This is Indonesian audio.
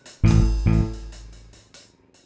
bukannya kamu sudah berubah